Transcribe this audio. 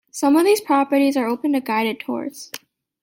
Some of these properties are open to guided tours.